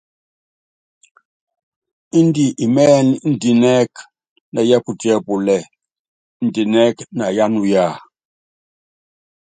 Indɛ́ imɛ́ɛlɛ́ indinɛ́k nɛ yɛ́pútíɛ́púlɛ́ indinɛ́k na yá nuyá ?